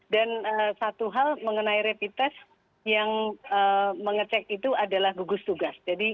dan satu hal mengenai repitest yang mengecek itu adalah gugus tugas